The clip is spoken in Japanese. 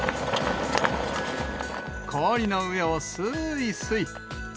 氷の上をすーいすい。